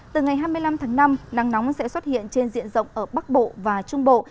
từ ngày hai mươi năm tháng năm nắng nóng sẽ xuất hiện trên diện rộng ở bắc bộ và trung bộ